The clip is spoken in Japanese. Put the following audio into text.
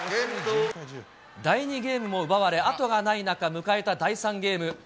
第２ゲームも奪われ、後がない中、迎えた第３ゲーム。